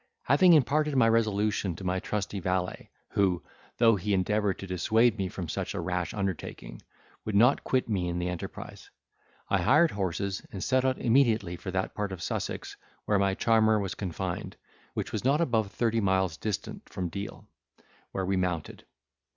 Having imparted my resolution to my trusty valet, who (though he endeavoured to dissuade me from such a rash undertaking) would not quit me in the enterprise, I hired horses, and set out immediately for that part of Sussex where my charmer was confined, which was not above thirty miles distant from Deal, where we mounted.